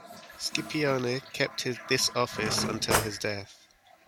Scipione kept this office until his death.